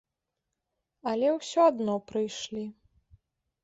Але ўсё адно прыйшлі.